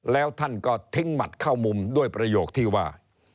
แล้วท่านก็ทิ้งหมัดเข้ามุมด้วยประโยคที่ว่า